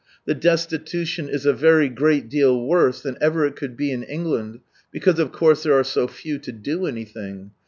The destitution is a very great deal worse ihan ever it could be in England, because of course there are so few to do anything.